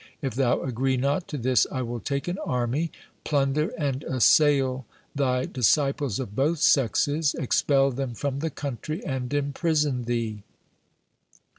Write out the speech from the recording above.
If thou agree not to this, I will take an army, plunder and assail thy disciples of both sexes, expel them from the country, and imprison thee.